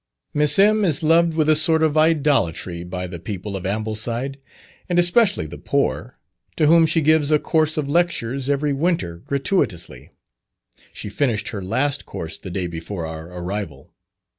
Miss M. is loved with a sort of idolatry by the people of Ambleside, and especially the poor, to whom she gives a course of lectures every winter gratuitously. She finished her last course the day before our arrival.